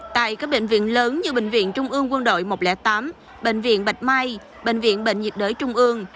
tại các bệnh viện lớn như bệnh viện trung ương quân đội một trăm linh tám bệnh viện bạch mai bệnh viện bệnh nhiệt đới trung ương